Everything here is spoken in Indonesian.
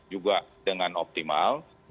juga dengan optimal